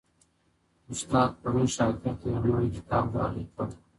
استاد پرون شاګرد ته یو نوی کتاب ډالۍ کړ.